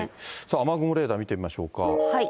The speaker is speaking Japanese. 雨雲レーダー見てみましょうか。